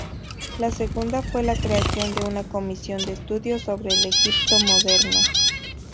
La segunda fue la creación de una comisión de estudio sobre el Egipto moderno.